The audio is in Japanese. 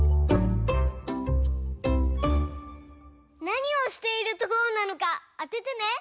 なにをしているところなのかあててね。